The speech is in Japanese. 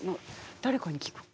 誰かに聞く。